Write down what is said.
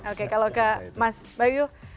oke kalau ke mas bayu